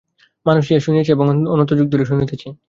মানুষ ইহা শুনিয়াছে এবং অনন্ত যুগ ধরিয়া শুনিতেছে।